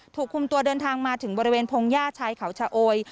ถูกคุมตัวเดินทางมาถึงบริเวณพงหญ้าชายเขาชะโอย